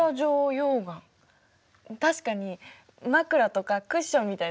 確かに枕とかクッションみたいな形。